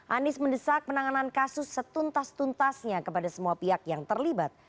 anies mendesak penanganan kasus setuntas tuntasnya kepada semua pihak yang terlibat